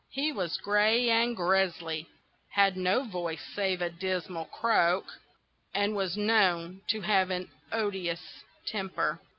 He was gray and grizzly, had no voice save a dismal croak, and was known to have an odious temper.